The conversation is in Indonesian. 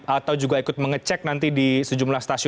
atau juga ikut mengecek nanti di sejumlah stasiun